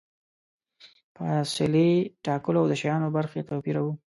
فاصلې ټاکو او د شیانو برخې توپیروو.